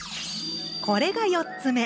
これが４つ目！